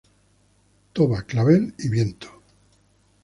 Toba, clavel y... viento.